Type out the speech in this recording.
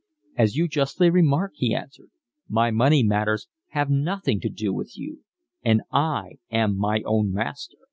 "As you justly remark," he answered, "my money matters have nothing to do with you and I am my own master."